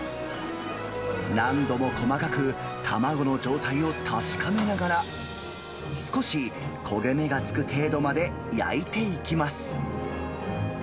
何度も細かく卵の状態を確かめながら、少し焦げ目がつく程度まで焼いていきます。